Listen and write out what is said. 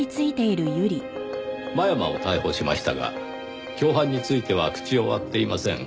真山を逮捕しましたが共犯については口を割っていません。